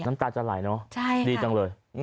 น้ำตาจะไหลเนอะดีจังเลย